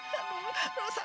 sabar pok ya